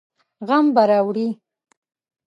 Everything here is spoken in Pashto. غم به راوړي.